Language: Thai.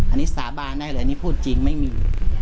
อันนี้สาบานได้เลยอันนี้พูดจริงไม่มี